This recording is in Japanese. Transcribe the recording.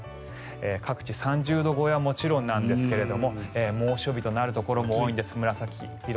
各地、３０度超えはもちろんなんですけれども猛暑日となるところも多いんです紫色。